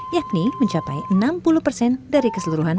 yakni mencapai enam puluh persen dari keseluruhan